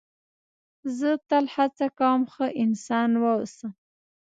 زه تل هڅه کوم ښه انسان و اوسم.